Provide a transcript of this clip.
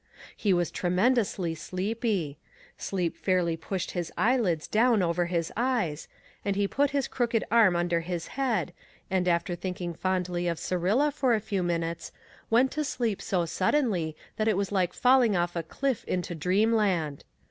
He was tremendously sleepy. Sleep fairly pushed his eyelids down over his eyes, and he put his crooked arm under his head and, after thinking fondly of Syrilla for a few minutes, went to sleep so suddenly that it was like falling off a cliff into dreamland.